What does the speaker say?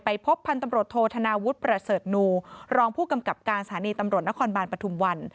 พบพันธุ์ตำรวจโทษธนาวุฒิประเสริฐนูรองผู้กำกับการสถานีตำรวจนครบาลปฐุมวัน